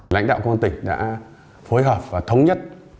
lãnh đạo công an tỉnh đã phối hợp và thống nhất